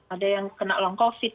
ada yang kena long covid